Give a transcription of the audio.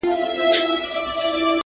دا چي وایې ټوله زه یم څه جبره جبره ږغېږې